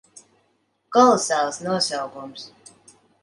Kolosāls nosaukums.